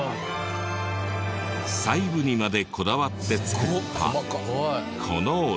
細部にまでこだわって作ったこのお城。